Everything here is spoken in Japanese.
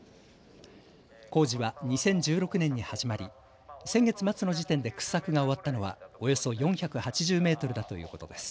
工事は２０１６年に始まり先月末の時点で掘削が終わったのはおよそ４８０メートルだということです。